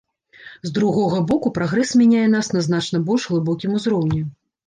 З другога боку, прагрэс мяняе нас на значна больш глыбокім узроўні.